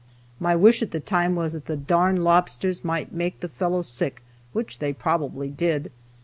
My wish at the time was that the darned lobsters might make the fellow sick, which they probably did.